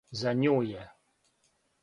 За њу је.